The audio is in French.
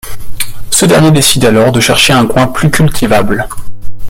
Ce dernier décide alors de chercher un coin plus cultivable.